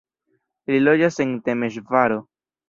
Li loĝas en Temeŝvaro.